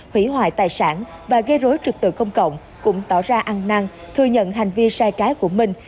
hủy hoại tài sản và gây rối trực tự công cộng cũng tỏ ra ăn năng thừa nhận hành vi sai trái của mình